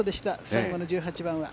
最後の１８番は。